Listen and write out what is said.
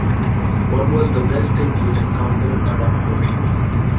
What was the best thing you encountered along the way?